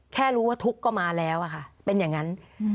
แค่รู้ว่าทุกข์ก็มาแล้วอะค่ะเป็นอย่างนั้น